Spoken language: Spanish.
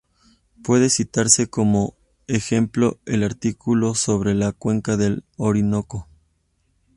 Puede citarse como ejemplo, el artículo sobre la cuenca del Orinoco.